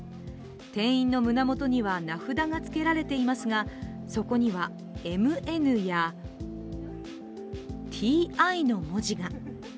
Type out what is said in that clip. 店員の胸元には、名札がつけられていますがそこには「Ｍ・Ｎ」や「Ｔ・Ｉ」の文字が。